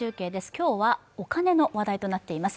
今日はお金の話題となっています。